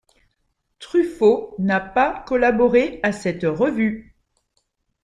Truffaut n’a pas collaboré à cette revue.